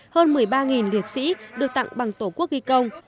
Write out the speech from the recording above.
hơn một mươi ba liệt sĩ được tặng bằng tổ quốc ghi công